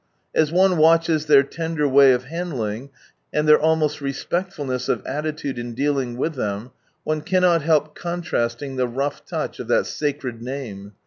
As one watches their tender way of handling, and their almost respectfulness of altitude in dealing with them, one cannot help contrasting the rough touch of that Sacred Name.